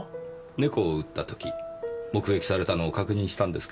猫を撃った時目撃されたのを確認したんですか？